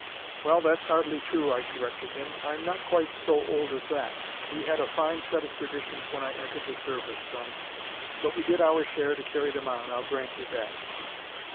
"Well, that's hardly true," I corrected him. "I'm not quite so old as that. We had a fine set of traditions when I entered the Service, son. But we did our share to carry them on, I'll grant you that."